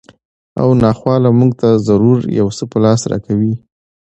او ناخواله مونږ ته ضرور یو څه په لاس راکوي